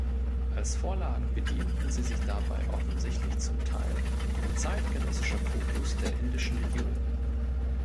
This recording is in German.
Als Vorlagen bedienten sie sich dabei offensichtlich zum Teil zeitgenössischer Fotos der Indischen Legion.